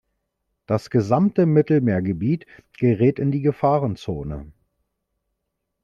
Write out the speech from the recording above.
Das gesamte Mittelmeergebiet gerät in die Gefahrenzone.